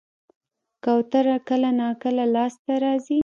کوتره کله ناکله لاس ته راځي.